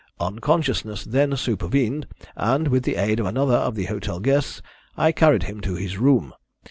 Unconsciousness then supervened, and, with the aid of another of the hotel guests, I carried him to his room.